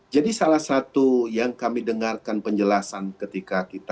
jadi salah satu yang kami dengarkan penjelasan ketika itu